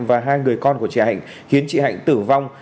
và hai người con của trẻ hạnh khiến chị hạnh tử vong